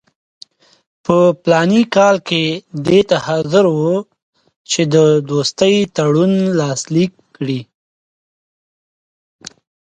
په فلاني کال کې دې ته حاضر وو چې د دوستۍ تړون لاسلیک کړي.